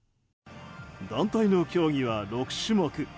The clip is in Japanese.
団体の競技は６種目。